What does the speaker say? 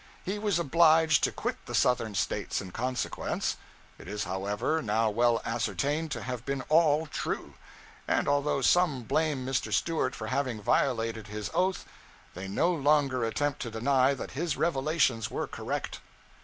He was obliged to quit the Southern States in consequence. It is, however, now well ascertained to have been all true; and although some blame Mr. Stewart for having violated his oath, they no longer attempt to deny that his revelations were correct.